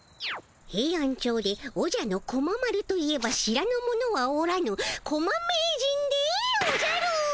ヘイアンチョウで「おじゃのコマ丸」といえば知らぬ者はおらぬコマ名人でおじゃる！